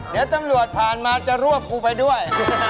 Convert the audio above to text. เดี๋ยวตำรวจผ่านมาจะรวบกูไปด้วย